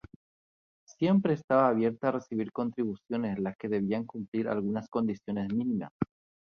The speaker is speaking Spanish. Siempre estaba abierta a recibir contribuciones las que debían cumplir algunas condiciones mínimas.